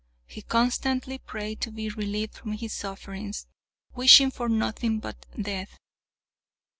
He constantly prayed to be relieved from his sufferings, wishing for nothing but death.